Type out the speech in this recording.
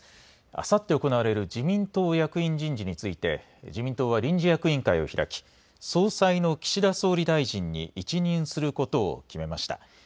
あさって行われる自民党役員人事について、自民党は臨時役員会を開き、総裁の岸田総理大臣に一任することを決めました。